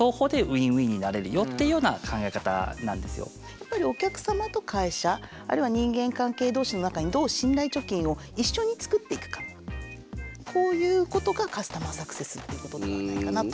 やっぱりお客様と会社あるいは人間関係同士の中にこういうことがカスタマーサクセスっていうことではないかなと。